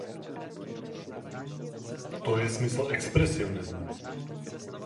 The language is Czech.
To je smysl expresionismu.